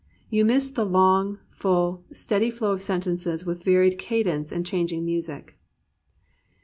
You miss the long, full, steady flow of sentences with varied cadence and changing music.